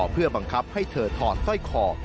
เพื่อบังคับให้เธอถอดสร้อยคอ